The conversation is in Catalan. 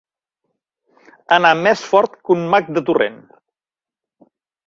Anar més fort que un mac de torrent.